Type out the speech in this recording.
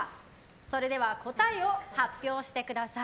それでは答えを発表してください。